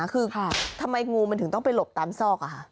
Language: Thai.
คือทำไมงูมันถึงต้องไปหลบตามซอก